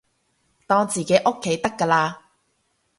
當自己屋企得㗎喇